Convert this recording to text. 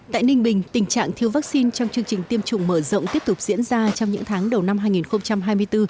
tại ninh bình tình trạng thiếu vaccine trong chương trình tiêm chủng mở rộng tiếp tục diễn ra trong những tháng đầu năm hai nghìn hai mươi bốn